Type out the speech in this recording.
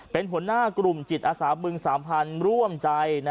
เป็นหัวหน้ากลุ่มจิตอาสาบึงสามพันธุ์ร่วมใจ